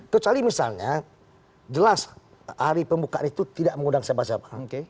kecuali misalnya jelas hari pembukaan itu tidak mengundang siapa siapa